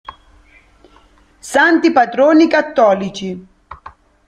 Santi patroni cattolici